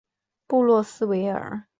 布洛斯维尔。